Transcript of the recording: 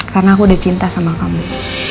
karena aku udah cinta sama kamu